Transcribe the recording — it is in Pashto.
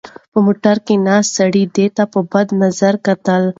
په موټر کې ناست سړي ده ته په بد نظر کتل.